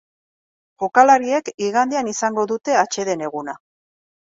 Jokalariek igandean izango dute atseden eguna.